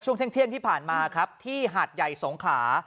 ช่วงเที่ยงที่ผ่านมาครับที่หาดใหญ่สงขลา